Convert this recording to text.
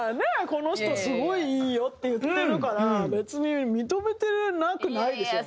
この人すごいいいよって言ってるから別に認めてなくないでしょ。